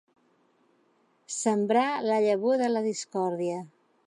Sembrar la llavor de la discòrdia.